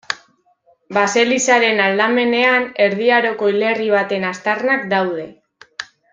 Baselizaren aldamenean Erdi Aroko hilerri baten aztarnak daude.